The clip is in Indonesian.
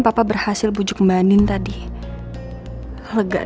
apa yang mereka lakukan itu udah bener